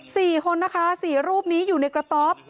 สี่คนนะคะสี่รูปนี้อยู่ในกระต๊อบ